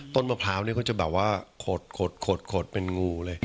มะพร้าวนี่เขาจะแบบว่าขดเป็นงูเลย